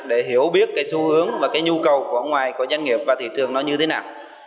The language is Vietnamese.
để hiểu biết xu hướng và nhu cầu ở ngoài doanh nghiệp và thị trường nó như thế nào